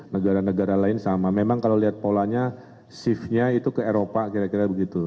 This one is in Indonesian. negara negara lain sama memang kalau lihat polanya shiftnya itu ke eropa kira kira begitu